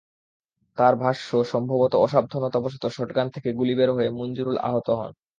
তাঁর ভাষ্য, সম্ভবত অসাবধানতাবশত শটগান থেকে গুলি বের হয়ে মনজুরুল আহত হন।